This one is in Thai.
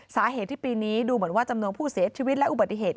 สาเหตุที่ปีนี้ดูเหมือนว่าจำนวนผู้เสียชีวิตและอุบัติเหตุ